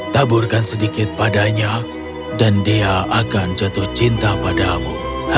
taburkan sedikit padanya dan dia akan jatuh cinta padamu